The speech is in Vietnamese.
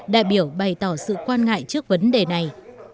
đại biểu bày tỏ sự quan ngại trước vấn đề này